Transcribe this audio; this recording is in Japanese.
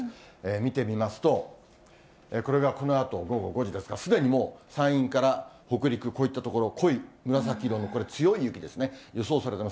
見てみますと、これがこのあと午後５時ですが、すでに山陰から北陸、こういった所、濃い紫色の強い雪ですね、予想されてます。